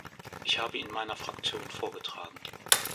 Ich habe ihn meiner Fraktion vorgetragen.